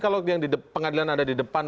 kalau pengadilan ada di depan